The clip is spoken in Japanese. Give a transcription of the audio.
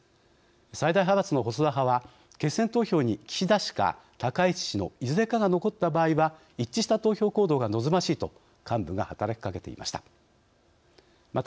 最大派閥の細田派は決選投票に岸田氏か高市氏のいずれかが残った場合は一致した投票行動が望ましいと幹部が働きかけていました。